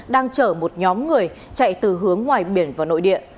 đang chở một nhóm người chạy từ hướng ngoài biển vào nội địa